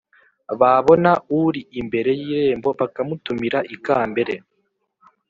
Babona uri imbere y'irembo bakamutumira ikambere